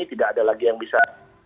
tidak ada lagi yang bisa